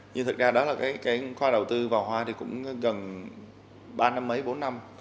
nhưng thực ra đó là cái khoa đầu tư vào hoa thì cũng gần ba năm mấy bốn năm